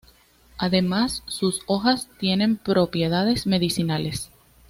Además, sus hojas tienen propiedades medicinales.